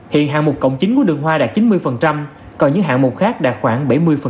hiện hạng mục cộng chính của đường hoa đạt chín mươi còn những hạng mục khác đạt khoảng bảy mươi